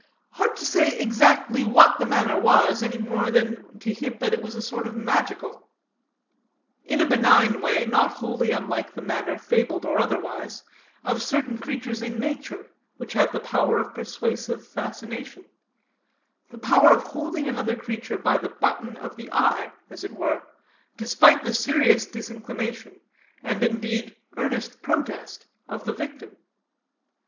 Hard to say exactly what the manner was, any more than to hint it was a sort of magical; in a benign way, not wholly unlike the manner, fabled or otherwise, of certain creatures in nature, which have the power of persuasive fascination the power of holding another creature by the button of the eye, as it were, despite the serious disinclination, and, indeed, earnest protest, of the victim.